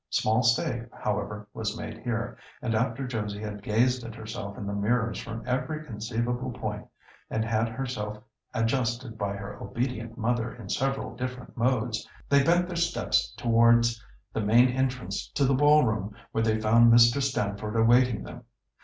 Small stay, however, was made here, and after Josie had gazed at herself in the mirrors from every conceivable point, and had herself adjusted by her obedient mother in several different modes, they bent their steps towards the main entrance to the ball room, where they found Mr. Stamford awaiting them.